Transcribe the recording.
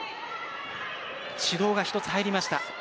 指導が１つ入りました。